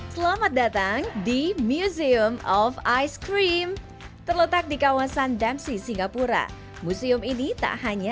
selamat datang di museum of ice cream terletak di kawasan damsi singapura museum ini tak hanya